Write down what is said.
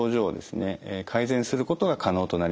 改善することが可能となります。